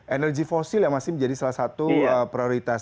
energi fosil yang masih menjadi salah satu prioritas